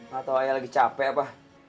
gak tau ayah lagi capek apa